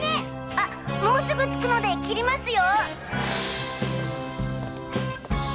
あもうすぐ着くので切りますよ！